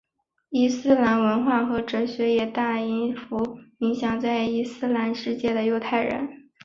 伊斯兰文化和哲学也大幅影响在伊斯兰世界的犹太人。